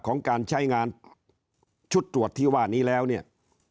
ของการใช้งานชุดตรวจที่ว่านี้แล้วเนี่ย